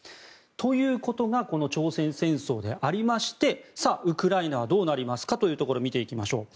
ということがこの朝鮮戦争でありましてウクライナはどうなりますかというところ見ていきましょう。